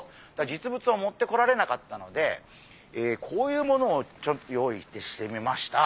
実物を持ってこられなかったのでこういうものを用意してみました。